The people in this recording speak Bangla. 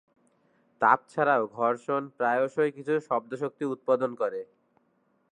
তাপ ছাড়াও, ঘর্ষণ প্রায়শই কিছু শব্দ শক্তি উৎপাদন করে।